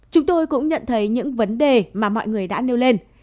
chúng tôi cũng nhận thấy những vấn đề mà mọi người đã nêu lên